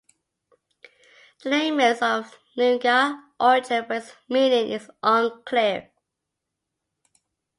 The name is of Noongar origin but its meaning is unclear.